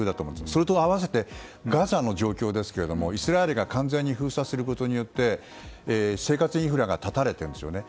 それと合わせてガザの状況ですがイスラエルが完全に封鎖することによって生活インフラが断たれているんですよね。